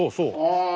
ああ。